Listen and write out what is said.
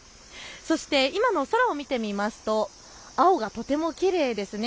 そして今の空を見てみると青がとてもきれいです。